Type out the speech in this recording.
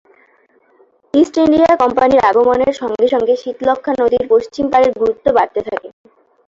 East India কোম্পানির আগমনের সঙ্গে সঙ্গে শীতলক্ষ্যা নদীর পশ্চিম পাড়ের গুরুত্ব বাড়তে থাকে।